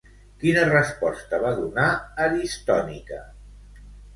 Quina resposta va donar Aristònica?